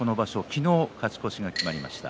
昨日、勝ち越しが決まりました。